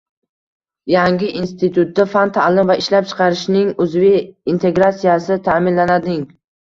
Yangi institutda fan, ta’lim va ishlab chiqarishning uzviy integratsiyasi ta’minlanading